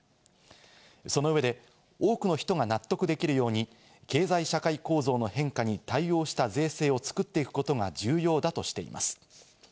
その上で多くの人が納得できるように経済社会構造の変化に対応した税制を作っていくことが重要だとしています。